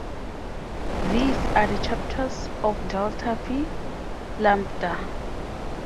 These are the chapters of Delta Phi Lambda.